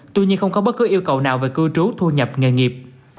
tuy nhiên không có bất cứ yêu cầu nào về cư trú thu nhập nghề nghiệp